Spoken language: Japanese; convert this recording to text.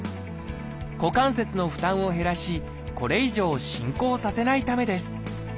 股関節の負担を減らしこれ以上進行させないためです。